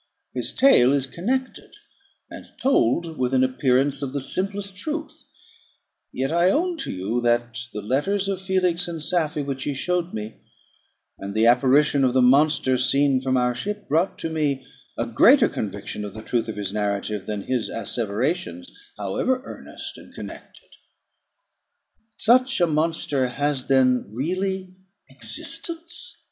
His tale is connected, and told with an appearance of the simplest truth; yet I own to you that the letters of Felix and Safie, which he showed me, and the apparition of the monster seen from our ship, brought to me a greater conviction of the truth of his narrative than his asseverations, however earnest and connected. Such a monster has then really existence!